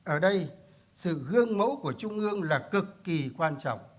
ở đây sự gương mẫu của trung ương là cực kỳ quan trọng